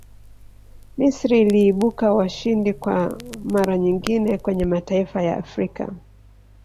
misri iliibuka washindi kwa mara nyingine kwenye mataifa ya afrika